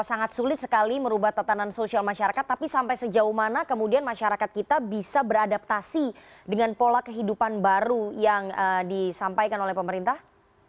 sangat sulit sekali merubah tatanan sosial masyarakat tapi sampai sejauh mana kemudian masyarakat kita bisa beradaptasi dengan pola kehidupan baru yang disampaikan oleh pemerintah